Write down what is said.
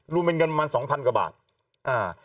รวมเป็นเงินประมาณสองพันกว่าบาทอ่า